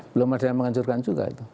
belum ada yang menghancurkan juga itu